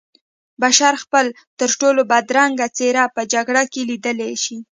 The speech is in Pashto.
بشر خپله ترټولو بدرنګه څېره په جګړه کې لیدلی شي